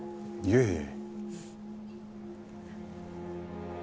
いえいえ。